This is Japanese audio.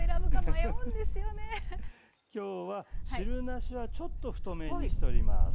今日は汁なしはちょっと太麺にしております。